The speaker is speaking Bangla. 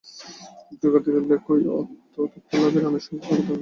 যোগাদির উল্লেখ ঐ আত্মতত্ত্বলাভের আনুষঙ্গিক অবতারণা।